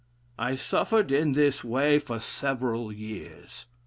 I suffered in this way for several years.